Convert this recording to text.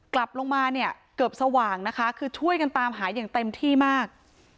กลับลงมาเนี่ยเกือบสว่างนะคะคือช่วยกันตามหาอย่างเต็มที่มาก